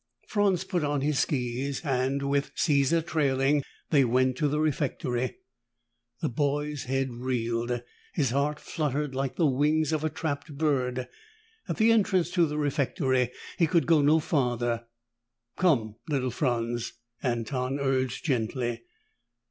Franz put on his skis and, with Caesar trailing, they went to the refectory. The boy's head reeled. His heart fluttered like the wings of a trapped bird. At the entrance to the refectory, he could go no farther. "Come, little Franz," Anton urged gently.